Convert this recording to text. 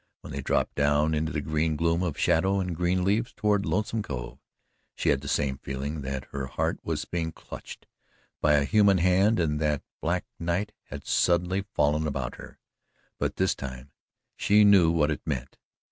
When they dropped down into the green gloom of shadow and green leaves toward Lonesome Cove, she had the same feeling that her heart was being clutched by a human hand and that black night had suddenly fallen about her, but this time she knew what it meant.